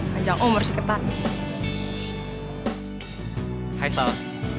hanya umur seketar moment hai sama